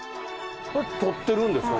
撮ってるんですか？